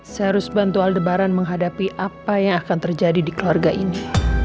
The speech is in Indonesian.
saya harus bantu al debaran menghadapi apa yang akan terjadi di keluarga ini